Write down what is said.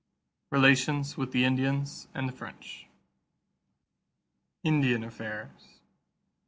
RELATIONS WITH THE INDIANS AND THE FRENCH =Indian Affairs.